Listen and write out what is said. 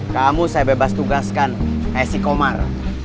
kamu saya bebas tugaskan kayak si komar